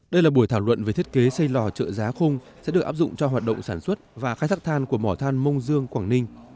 đây là buổi thảo luận về thiết kế xây lò chợ giá khung sẽ được áp dụng cho hoạt động sản xuất và khai thác than của mỏ than mông dương quảng ninh